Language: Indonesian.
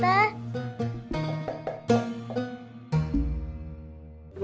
makasih ya tante